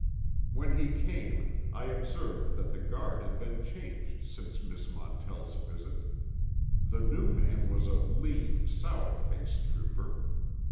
When he came I observed that the guard had been changed since Miss Montell's visit. The new man was a lean, sour faced trooper.